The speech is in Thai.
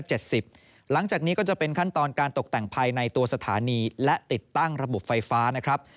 หลังจากนี้ก็จะเป็นขั้นตอนการตกแต่งภายในตัวสถานีและติดตั้งระบบไฟฟ้านะครับ